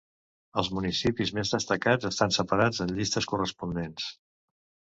Els municipis més destacats estan separats en llistes corresponents.